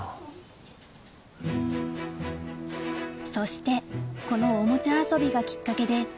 そしてこのおもちゃ遊びがきっかけで